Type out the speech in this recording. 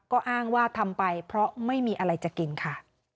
ก็อ้างว่าทำไปเพราะไม่มีอะไรจะกินค่ะ